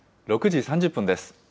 ６時３０分です。